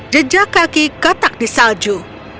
jejak kaki kotak di salju